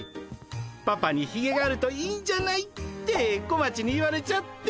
パパにひげがあるといいんじゃない？って小町に言われちゃって。